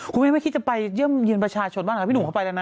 คุณแม่ไม่คิดจะไปเยี่ยมเยือนประชาชนบ้างนะพี่หนุ่มเข้าไปแล้วนะ